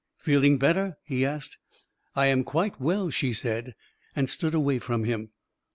" Feeling better? " he asked. " I am quite well," she said, and stood away from him.